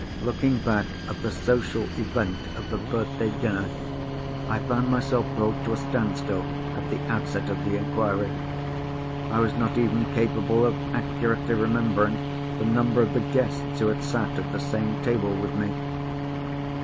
Looking back at the social event of the birthday dinner, I found myself brought to a standstill at the outset of the inquiry. I was not even capable of accurately remembering the number of the guests who had sat at the same table with me.